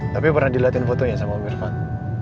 tapi pernah dilihatin fotonya sama pak irfan